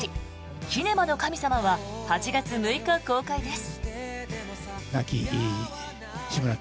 「キネマの神様」は８月６日公開です。